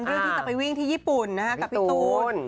เรื่องที่จะไปวิ่งที่ญี่ปุ่นกับพี่ตูน